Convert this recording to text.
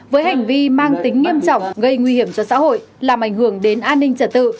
với hành vi mang tính nghiêm trọng gây nguy hiểm cho xã hội làm ảnh hưởng đến an ninh trật tự